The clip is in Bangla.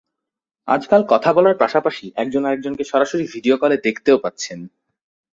আজকাল কথা বলার পাশাপাশি একজন আরেকজনকে সরাসরি ভিডিও কলে দেখতেও পাচ্ছেন।